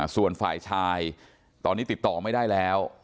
ส่วนฝ่ายชายตอนนี้ติดต่อไม่ได้แล้ว